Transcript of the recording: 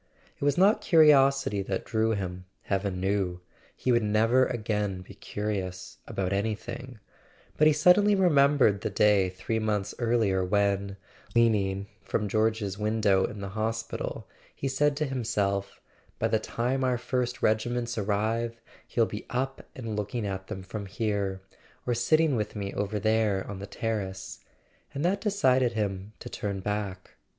It was not curiosity that drew him, heaven knew—he would never again be curious about anything—but he suddenly remembered the day three months earlier when, leaning from George's window in the hospital, he had said to himself "By the time our first regiments arrive he'll be up and looking at them from here, or sitting with me over there on the terrace"; and that decided him to turn back.